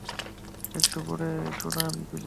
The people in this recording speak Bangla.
একটু পড়ে শোনান প্লিজ।